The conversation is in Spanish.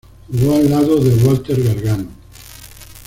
Jugó al lado de Walter Gargano.